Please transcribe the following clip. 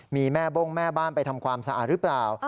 มีแม่บ้งแม่บ้านไปทำความสะอาดหรือเปล่า